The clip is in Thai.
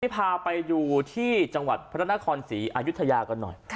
พาไปดูที่จังหวัดพระนครศรีอายุทยากันหน่อย